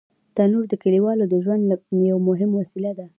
تنور د کلیوالو د ژوند یو مهم وسیله ده